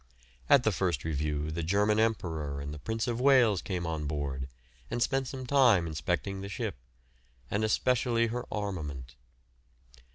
At the first review the German Emperor and the Prince of Wales came on board, and spent some time inspecting the ship, and especially her armament.